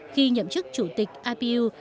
khi nhậm chức chủ tịch ipu